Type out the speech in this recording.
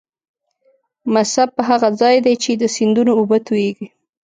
مصب هغه ځاي دې چې د سیندونو اوبه تویږي.